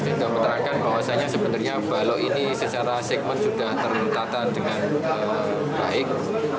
kita keterangan bahwasannya sebenarnya balok ini secara segmen sudah tertata dengan baik